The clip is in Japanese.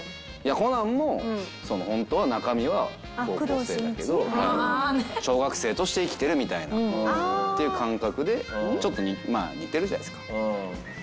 コナンもホントは中身は高校生だけど小学生として生きてるみたいなっていう感覚でちょっとまあ似てるじゃないですか。